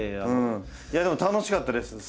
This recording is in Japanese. いやでも楽しかったです。